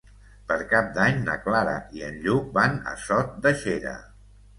Per Cap d'Any na Clara i en Lluc van a Sot de Xera.